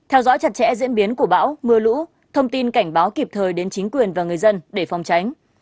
một hủ bão mưa lũ thông tin cảnh báo kịp thời đến chính quyền và người dân để phòng tránh